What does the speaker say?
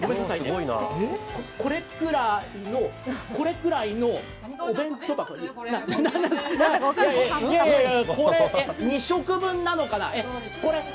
これくらいの、お弁当箱にこれ、２食分なのかな。